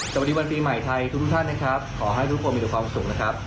สวัสดีวันปีใหม่ไทยทุกท่านนะครับขอให้ทุกคนมีแต่ความสุขนะครับ